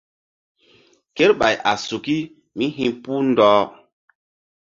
Kerɓay a suki mí hi̧puh ɗɔh.